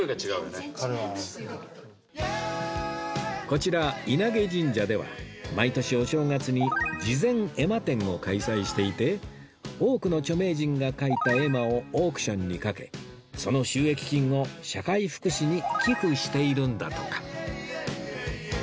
こちら稲毛神社では毎年お正月に慈善絵馬展を開催していて多くの著名人が描いた絵馬をオークションにかけその収益金を社会福祉に寄付しているんだとか